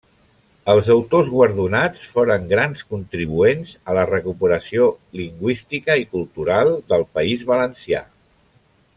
Els autors guardonats foren grans contribuents a la recuperació lingüística i cultural del País Valencià.